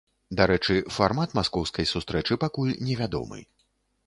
Дарэчы, фармат маскоўскай сустрэчы пакуль невядомы.